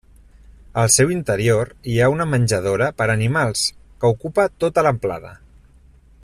Al seu interior hi ha una menjadora per animals que ocupa tota l'amplada.